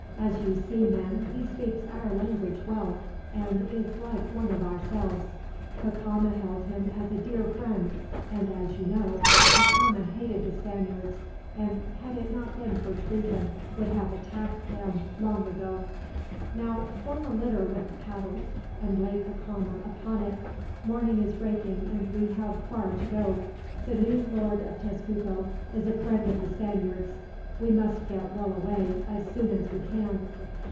As you see, men, he speaks our language well, and is like one of ourselves. Cacama held him as a dear friend; and as you know, Cacama hated the Spaniards, and had it not been for treason would have attacked them, long ago. "Now, form a litter with the paddles and lay Cacama upon it. Morning is breaking, and we have far to go. The new Lord of Tezcuco is a friend of the Spaniards. We must get well away, as soon as we can."